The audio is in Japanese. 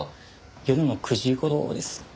夜の９時頃です。